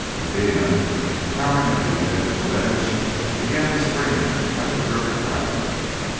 Eudena, cowering at the end of the ledge, began to scream like a gripped rabbit.